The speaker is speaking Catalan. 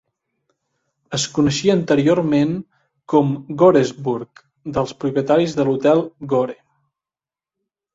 Es coneixia anteriorment com "Goresburgh" pels propietaris de l"Hotel Gore.